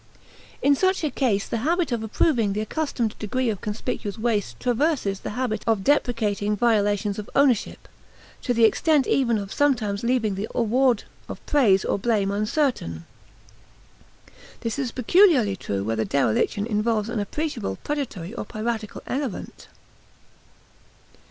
In such a case the habit of approving the accustomed degree of conspicuous waste traverses the habit of deprecating violations of ownership, to the extent even of sometimes leaving the award of praise or blame uncertain. This is peculiarly true where the dereliction involves an appreciable predatory or piratical element.